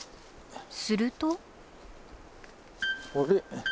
すると。